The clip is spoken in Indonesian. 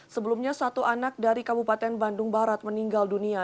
sebelumnya satu anak dari kabupaten bandung barat meninggal dunia